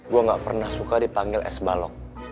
gue gak pernah suka dipanggil es balok